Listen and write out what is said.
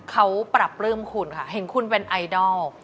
เขาปรับปลื้มคุณค่ะเห็นคุณเป็นไอดอล